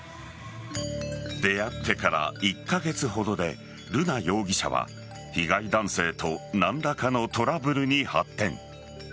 出会ってから１カ月ほどで瑠奈容疑者は被害男性と何らかのトラブルに発展。